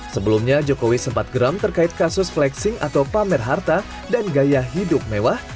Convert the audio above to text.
sebelumnya jokowi sempat geram terkait kasus flexing atau pamer harta dan gaya hidup mewah